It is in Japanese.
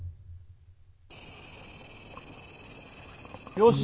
よし。